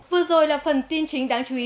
vừa rồi là phần tin chính đáng chú ý